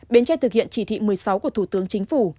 bến tre thực hiện chỉ thị một mươi sáu của thủ tướng chính phủ